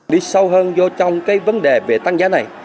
đi sâu hơn vô trong cái vấn đề về tăng giá này